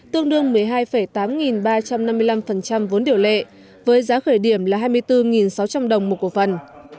tương đương một mươi hai tám nghìn ba trăm năm mươi năm vốn điều lệ với giá khởi điểm là hai mươi bốn sáu trăm linh đồng một cổ phần